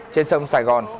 trên sông sài gòn